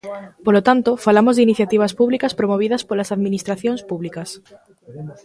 Polo tanto, falamos de iniciativas públicas promovidas polas administracións públicas.